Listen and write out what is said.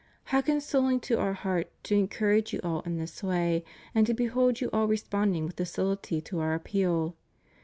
How consoling to Our heart to encourage you all in this way and to behold you all responding with docihty to Our appeal!